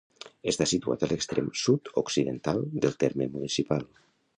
Està situat a l'extrem sud-occidental del terme municipal.